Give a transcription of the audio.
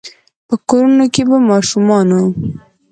په کورونو کې به ماشومانو،